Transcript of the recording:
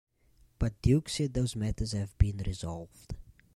But Duke said those matters have been resolved.